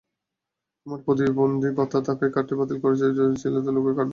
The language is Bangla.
আমার প্রতিবন্ধী ভাতা থাকায় কার্ডটি বাতিল করে মিল চাতালওয়ালা লোককে কার্ড দিয়েছে।